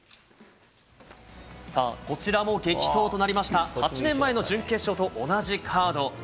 さあ、こちらも激闘となりました、８年前の準決勝と同じカード。